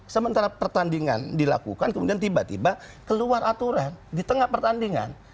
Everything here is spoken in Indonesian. sementara pertandingan dilakukan kemudian tiba tiba keluar aturan di tengah pertandingan